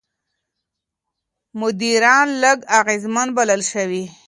مدیران لږ اغېزمن بلل شوي.